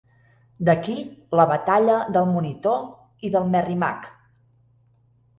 D'aquí la batalla del "Monitor" i del "Merrimack".